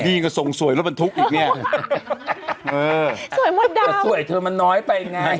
ดีก็ส่งสวยแล้วมันทุกอีกเนี้ยสวยหมดดาวแต่สวยเธอมันน้อยไปไง